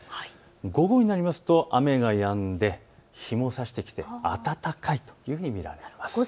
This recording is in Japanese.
午後になりますと雨がやんで日もさしてきて、暖かいというふうに見られます。